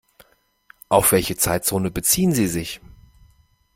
Auf welche Zeitzone beziehen Sie sich?